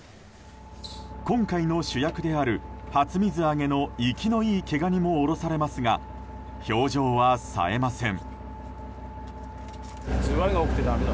今回の主役である初水揚げの生きのいい毛ガニも降ろされますが表情はさえません。